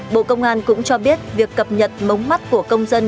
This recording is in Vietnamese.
bộ công an cũng cho biết việc cập nhật mống mắt của công dân